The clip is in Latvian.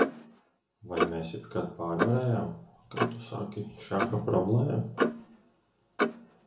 Vai mēs jebkad pārvarējām, kā tu saki, šaha problēmu?